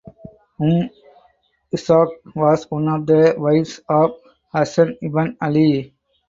Umm Ishaq was one of the wives of Hasan ibn Ali.